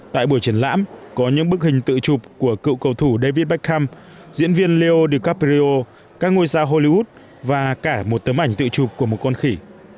tại buổi triển lãm có những bức hình tự chụp của cựu cầu thủ david beckham diễn viên leo de capreo các ngôi sao hollywood và cả một tấm ảnh tự chụp của một con khỉ